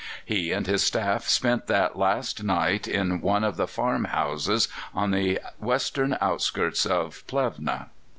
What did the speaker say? He and his staff spent that last night in one of the farm houses on the western outskirts of Plevna.